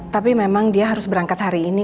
tapi memang dia harus berangkat hari ini